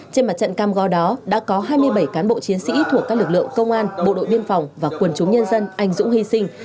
trên mặt trận cam go đó đã có hai mươi bảy cán bộ chiến sĩ thuộc các lực lượng công an bộ đội biên phòng và quần chúng nhân dân anh dũng hy sinh